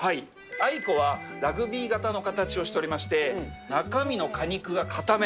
アイコはラグビー形の形をしておりまして、中身の果肉が硬め。